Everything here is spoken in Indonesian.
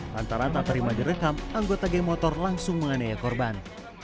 lantaran tak terima direkam anggota geng motor langsung menganiaya korban